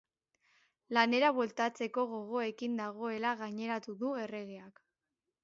Lanera bueltatzeko gogoekin dagoela gaineratu du erregeak.